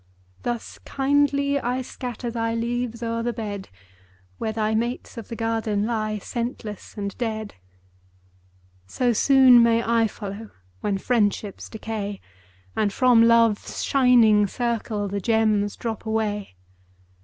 Thus kindly I scatter Thy leaves o'er the bed, Where thy mates of the garden Lie scentless and dead. So soon may I follow, When friendships decay, And from Love's shining circle The gems drop away.